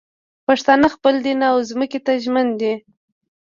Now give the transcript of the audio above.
پښتانه خپل دین او ځمکې ته ژمن دي